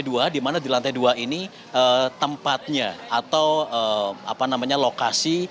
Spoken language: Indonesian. dimana di lantai dua ini tempatnya atau apa namanya lokasi